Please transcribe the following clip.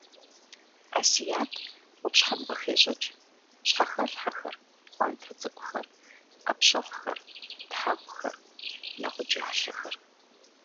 Асият къупщхьэм къыхещӏыкӏ: щхьэхэлъхьэхэр, пхъуантэ цӏыкӏухэр, ӏэпщэхъухэр, тхьэгъухэр, нэгъуджалъэхэр.